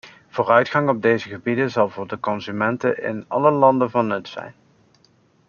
Vooruitgang op deze gebieden zal voor de consumenten in alle landen van nut zijn.